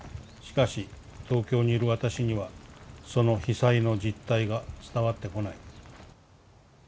しかし東京にいる私にはその被災の実態が伝わってこない。